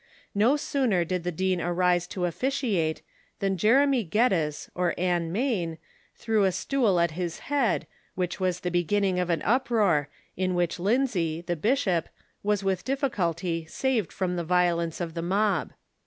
No soon er did the dean arise to officiate than Jenny Geddes or Anne Mein threw a stool at his head, whieh was the beginning of an ujtroar, in which Lindsay, the bislioj), was with difliculty saved from the violi'iicc of tlie mob.